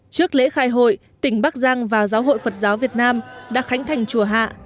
trước lễ khai hội tỉnh bắc giang và giáo hội phật giáo việt nam đã khánh thành chùa hạ